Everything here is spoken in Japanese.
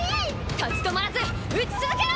立ち止まらず撃ち続けろ！